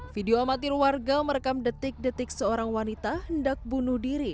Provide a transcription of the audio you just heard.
video amatir warga merekam detik detik seorang wanita hendak bunuh diri